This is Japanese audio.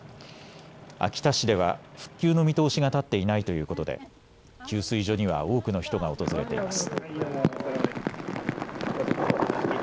秋田市では復旧の見通しが立っていないということで給水所には多くの人が訪れています。